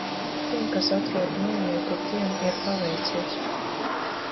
Tiem, kas atrod noietu, – tiem ir paveicies.